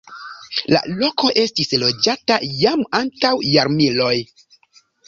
La loko estis loĝata jam antaŭ jarmiloj.